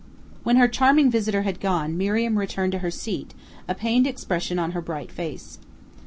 When her charming visitor had gone, Miriam returned to her seat, a pained expression on her bright face.